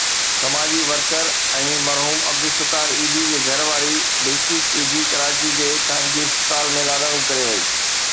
سماجي ورڪر ۽ مرحوم عبدالستار ايڌي جي گهر واري بلقيس ايڌي ڪراچي جي خانگي اسپتال ۾ لاڏاڻو ڪري وئي.